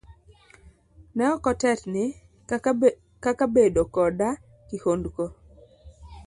Ne ok otetni kaka bedo koda kihondko.